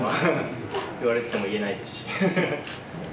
言われてても言えないですし。